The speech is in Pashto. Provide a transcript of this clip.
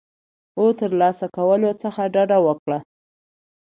او ترلاسه کولو څخه ډډه وکړه